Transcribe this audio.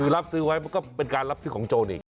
รับซื้อไว้มันก็เป็นการรับซื้อของโจรอีก